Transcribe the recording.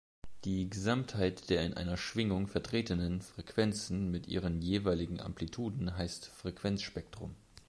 Die Gesamtheit der in einer Schwingung vertretenen Frequenzen mit ihren jeweiligen Amplituden heißt "Frequenzspektrum".